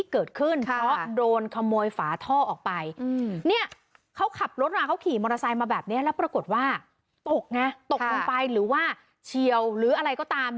ขี่มอเตอร์ไซค์มาแบบนี้แล้วปรากฏว่าตกไงตกตรงไปหรือว่าเชียวหรืออะไรก็ตาม